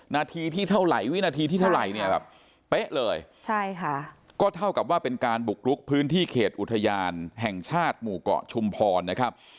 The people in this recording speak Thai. นาทีที่เท่าไหร่วินาทีที่เท่าไหร่เนี่ยแบบเป๊ะเลยใช่ค่ะก็เท่ากับว่าเป็นการบุกลุกพื้นที่เขตอุทยานแห่งชาติหมู่เกาะชุมพรนะครับ